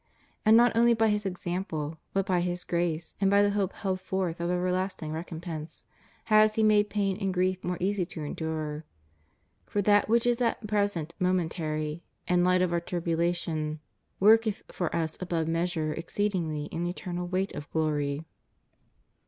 And not only by His example, but by His grace and by the hope held forth of everlasting recompense, has He made pain and grief more easy to endure; for that which is at present momentary and light of our tribulation, worketh for us above measure exceedingly an eternal weight of glory?